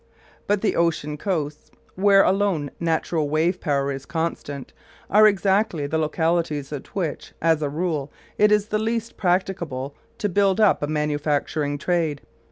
But the ocean coasts where alone natural wave power is constant are exactly the localities at which, as a rule, it is the least practicable to build up a manufacturing trade.